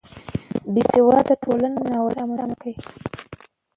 بې سواده ټولنه ناورین رامنځته کوي